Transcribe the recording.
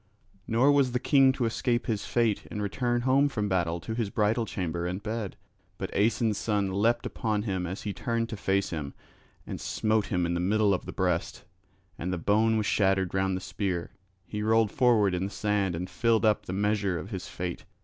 Nor was the king to escape his fate and return home from battle to his bridal chamber and bed. But Aeson's son leapt upon him as he turned to face him, and smote him in the middle of the breast, and the bone was shattered round the spear; he rolled forward in the sand and filled up the measure of his fate.